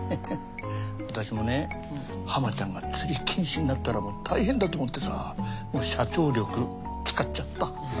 私もねハマちゃんが釣り禁止になったら大変だと思ってさ社長力使っちゃった。